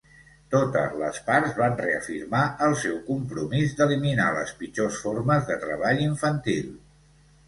Totes les parts van reafirmar el seu compromís d'eliminar les pitjors formes de treball infantil.